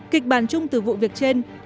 kịch bàn chung từ vụ việc trên